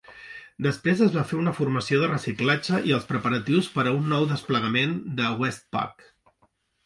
Després es va fer una formació de reciclatge i els preparatius per a un nou desplegament de WestPac.